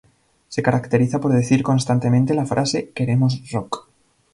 Se caracteriza por decir constantemente la frase "¡Queremos rock!".